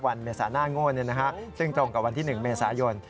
วันเมษาน่าโง่นซึ่งตรงกับวันที่หนึ่งเมษายน